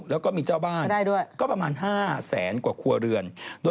แล้วก็มีเจ้าบ้านก็ประมาณ๕แสนกว่าครัวเรือน